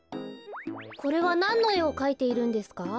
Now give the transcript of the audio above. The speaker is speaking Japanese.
これはなんのえをかいているんですか？